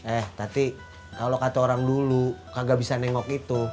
eh tadi kalau kata orang dulu kagak bisa nengok itu